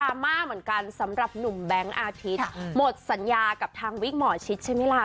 มาเหมือนกันสำหรับหนุ่มแบงค์อาทิตย์หมดสัญญากับทางวิกหมอชิดใช่ไหมล่ะ